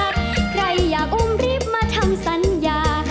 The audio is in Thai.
ใครอยากอุ้มรีบมาทำสัญญา